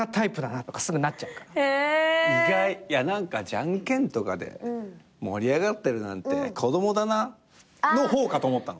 「じゃんけんとかで盛り上がってるなんて子供だな」の方かと思ったの。